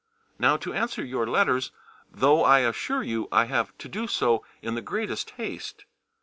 Now to answer your letters, though I assure you I have to do so in the greatest haste.